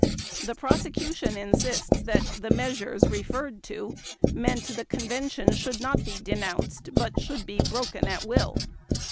The Prosecution insisted that "the measures" referred to meant the Convention should not be denounced, but should be broken at will.